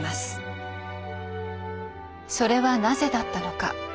それはなぜだったのか。